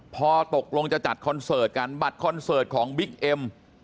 พอตกลงจะจัดคอนเสิร์ตกันบัตรคอนเสิร์ตของบิ๊กเอ็ม